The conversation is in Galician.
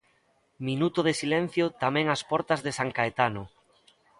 Minuto de silencio tamén ás portas de San Caetano.